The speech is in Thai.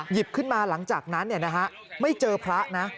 หยิบขึ้นมาหลังจากนั้นไม่เจอพระนะ